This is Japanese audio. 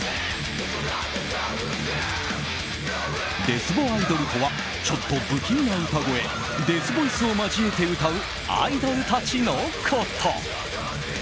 デスボアイドルとはちょっと不気味な歌声デスボイスを交えて歌うアイドルたちのこと。